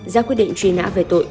giác quyết định truy nã về tội